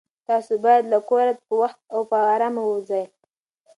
تاسو باید له کوره په وخت او په ارامه ووځئ.